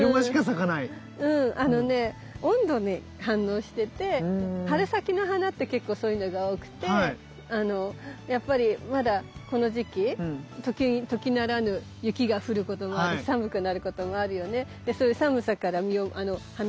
あのね温度に反応してて春先の花って結構そういうのが多くてやっぱりまだこの時期時ならぬ雪が降ることもあるし寒くなることもあるよね。